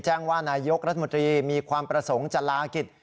แจ้งว่านายกรัฐมนตรีมีความประสงค์จะลากิจ